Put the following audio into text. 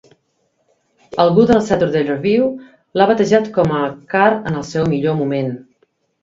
Algú del "Saturday Review" l'ha batejat com a "Carr en el seu millor moment".